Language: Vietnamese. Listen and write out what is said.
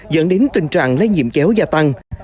dẫn đến tình trạng lây nhiễm chéo gia tăng